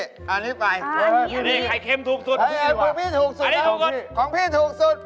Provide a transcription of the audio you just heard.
ข้างนี้ไฟไข่เค็มถูกสุดพี่ดีกว่าพี่ถูกสุดของพี่ถูกสุด